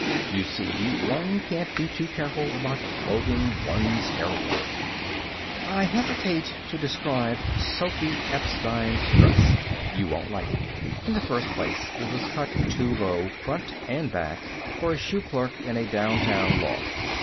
You see, one can't be too careful about clothing one's heroine. I hesitate to describe Sophy Epstein's dress. You won't like it. In the first place, it was cut too low, front and back, for a shoe clerk in a downtown loft.